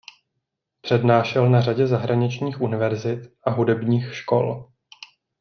Přednášel na řadě zahraničních univerzit a hudebních škol.